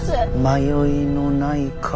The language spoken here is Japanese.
迷いのない顔。